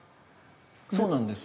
そうなんですよ。